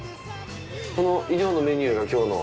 この以上のメニューが今日の。